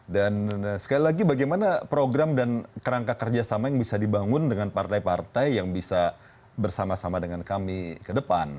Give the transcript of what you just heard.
dan sekali lagi bagaimana program dan kerangka kerjasama yang bisa dibangun dengan partai partai yang bisa bersama sama dengan kami ke depan